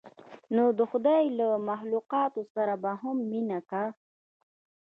نو د خداى له مخلوقاتو سره به هم مينه کا.